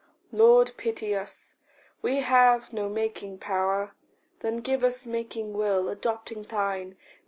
Lord, pity us: we have no making power; Then give us making will, adopting thine.